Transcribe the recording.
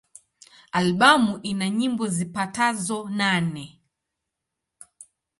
Albamu ina nyimbo zipatazo nane.